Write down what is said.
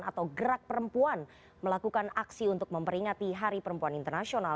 atau gerak perempuan melakukan aksi untuk memperingati hari perempuan internasional